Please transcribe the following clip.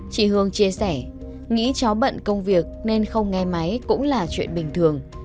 chị hương chia sẻ nghĩ cháu bận công việc nên không nghe máy cũng là chuyện bình thường